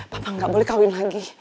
papa nggak boleh kawin lagi